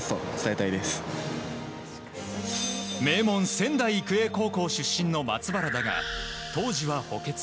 名門・仙台育英高校出身の松原だが当時は補欠。